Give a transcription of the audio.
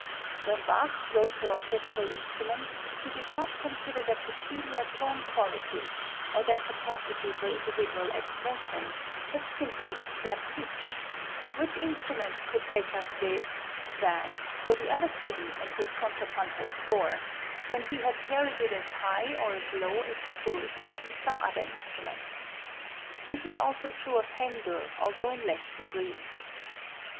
When Bach wrote for orchestral instruments he did not consider their peculiar tone quality, or their capacity for individual expression, but simply their pitch which instrument could take up this, that or the other theme in his contrapuntal score, when he had carried it as high or as low as he could on some other instrument. This also is true of Händel, although in less degree.